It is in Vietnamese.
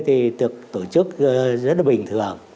thì được tổ chức rất là bình thường